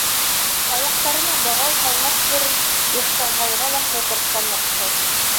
Аяҡтарына бығау һалмаҫ борон, Ихсанбайға ла һыпыртҡан яҡшы...